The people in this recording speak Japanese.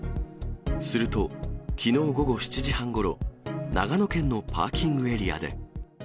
すると、きのう午後７時半ごろ、長野県のパーキングエリアで。